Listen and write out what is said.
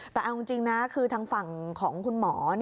แต่เอาจริงนะคือทางฝั่งของคุณหมอ